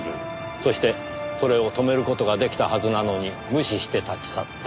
そしてそれを止める事が出来たはずなのに無視して立ち去った。